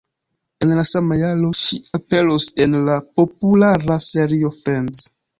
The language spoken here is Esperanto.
En la sama jaro, ŝi aperos en la populara serio Friends.